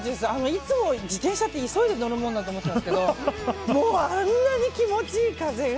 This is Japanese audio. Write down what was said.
いつも、自転車って急いで乗るものだと思ってたんですけどあんなに気持ちいい風が。